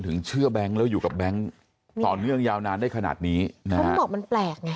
ถึงเชื่อแบงค์แล้วอยู่กับแบงค์ต้องเลือกยาวนานได้ขนาดนี้นะครับ